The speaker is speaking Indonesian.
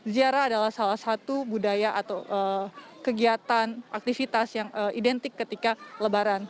ziarah adalah salah satu budaya atau kegiatan aktivitas yang identik ketika lebaran